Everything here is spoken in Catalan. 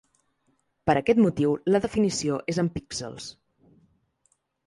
Per aquest motiu la definició és en píxels.